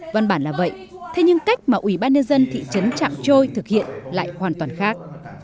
văn bản là vậy thế nhưng cách mà ủy ban nhân dân thị trấn trạng trôi thực hiện lại hoàn toàn khác